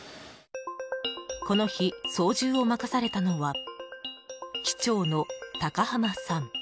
この日、操縦を任されたのは機長の高濱さん。